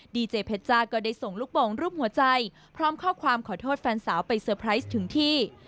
ดีเจเพชจ้าก็ได้ส่งลูกโป่งรูปหัวใจพร้อมข้อความขอโทษแฟนสาวไปเซอร์ไพรส์ถึงที่